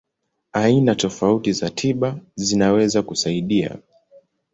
Aina tofauti za tiba zinaweza kusaidia.